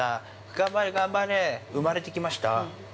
頑張れ、頑張れ、生まれてきました。